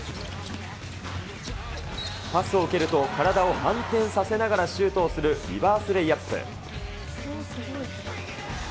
パスを受けると、体を反転させながらシュートをする、リバースレイアップ。